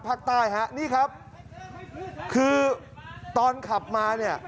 ภาคใต้ฮะนี่ครับคือตอนขับมาเนี่ย